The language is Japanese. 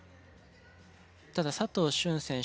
ただ佐藤駿選手